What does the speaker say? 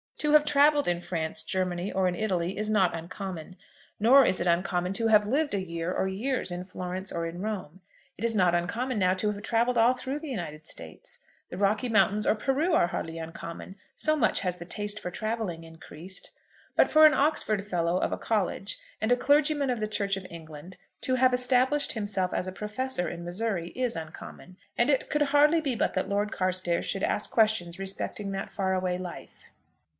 To have travelled in France, Germany, or in Italy, is not uncommon; nor is it uncommon to have lived a year or years in Florence or in Rome. It is not uncommon now to have travelled all through the United States. The Rocky Mountains or Peru are hardly uncommon, so much has the taste for travelling increased. But for an Oxford Fellow of a college, and a clergyman of the Church of England, to have established himself as a professor in Missouri, is uncommon, and it could hardly be but that Lord Carstairs should ask questions respecting that far away life.